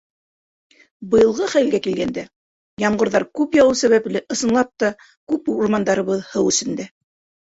Быйылғы хәлгә килгәндә, ямғырҙар күп яуыу сәбәпле, ысынлап та, күп урмандарыбыҙ һыу эсендә.